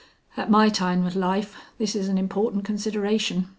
"At my time of life this is an important consideration.